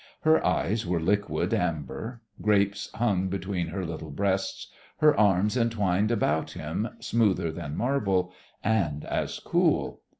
Her eyes were liquid amber, grapes hung between her little breasts, her arms entwined about him, smoother than marble, and as cool.